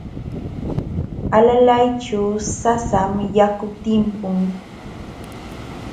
Alalayćhu sasam yaku timpun.